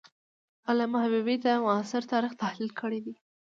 علامه حبیبي د معاصر تاریخ تحلیل کړی دی.